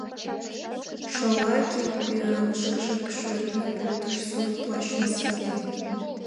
Шола кидпӱанышкыже шӧртньӧ полдышан сур плащым сакен.